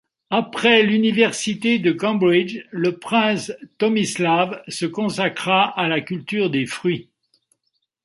Après l'Université de Cambridge, le prince Tomislav se consacra à la culture des fruits.